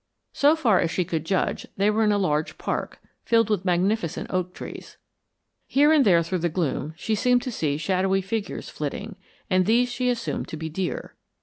So far as she could judge, they were in a large park, filled with magnificent oak trees. Here and there through the gloom she seemed to see shadowy figures flitting, and these she assumed to be deer.